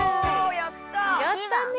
やったね！